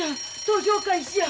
投票開始や。